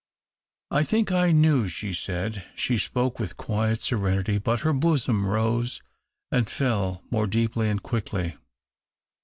" I think I knew," she said. She spoke with quiet serenity, but her bosom rose and fell more deeply and quickly.